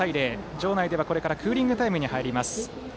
場内では、これからクーリングタイムに入ります。